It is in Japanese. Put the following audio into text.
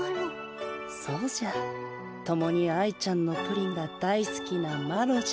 そうじゃともに愛ちゃんのプリンが大すきなマロじゃ。